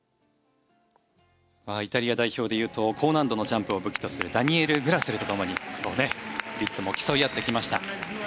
イタリア代表でいうと高難度のジャンプを武器とする武器とするダニエル・グラスルと共にリッツォも競い合ってきました。